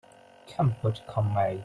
Come what come may